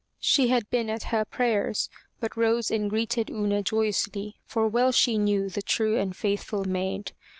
She had been at her prayers, but rose and greeted Una joyously, for well she knew the true and faithful maid.